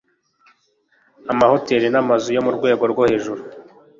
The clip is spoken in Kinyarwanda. Amahoteri n'amazu yo mu rwego rwo hejuru